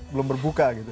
belum berbuka gitu